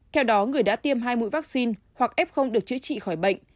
theo đó người đã tiêm hai mũi vaccine hoặc ép không được chữa trị khỏi bệnh